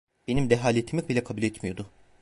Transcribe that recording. Benim dehaletimi bile kabul etmiyordu.